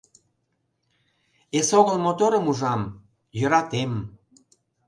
Эсогыл моторым ужам — йӧратем.